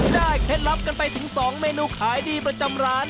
เคล็ดลับกันไปถึง๒เมนูขายดีประจำร้าน